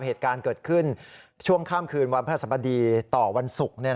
เหตุการณ์เกิดขึ้นช่วงข้ามคืนวันพระสบดีต่อวันศุกร์